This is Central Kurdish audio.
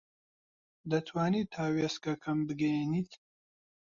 دەتوانیت تا وێستگەکەم بگەیەنیت؟